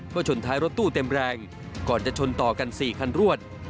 ก็ชนท้ายรถตู้เต็มแรงก่อนจะชนต่อกัน๔คันรวด